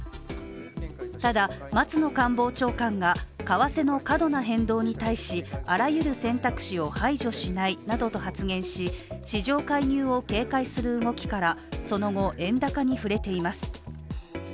ただ、松野官房長官が為替の過度な変動に対しあらゆる選択肢を排除しないなどと発言し市場介入を警戒する動きからその後、円高に振れています。